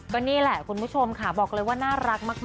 ก็นี่แหละคุณผู้ชมค่ะบอกเลยว่าน่ารักมาก